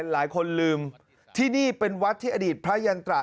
หลายคนลืมที่นี่เป็นวัดที่อดีตพระยันตระ